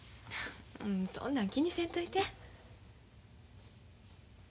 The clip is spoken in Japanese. そんなん気にせんといて。